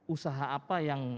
usaha apa yang